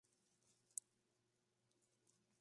El lecho está compuesto de arenas gruesas y oscuras.